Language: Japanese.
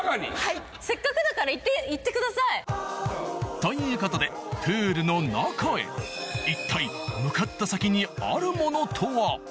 せっかくだから行ってください。ということでプールの中へ一体向かった先にあるものとは？